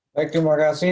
baik terima kasih